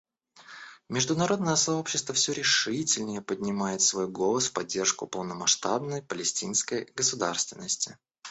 Международное сообщество все решительнее поднимает свой голос в поддержку полномасштабной палестинской государственности.